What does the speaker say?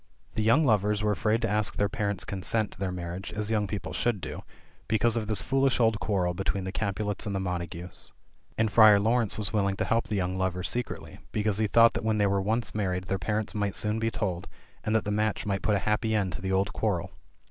The young lovers were afraid to ask their parents' consent to their marriage, as young people should do, because of this foolish old quarrel between the Capulets and the Montagues. And Friar Laurence was willing to help the young lovers secretly, because he thought that when they were once married their parents might soon be told, and that the match might put a happy end to the old quarrel.